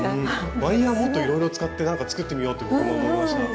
ワイヤーもっといろいろ使ってなんか作ってみようと僕も思いました。